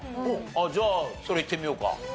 じゃあそれいってみようか。